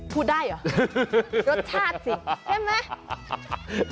พูดได้เหรอรสชาติสิใช่ไหม